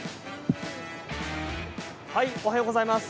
おはようございます。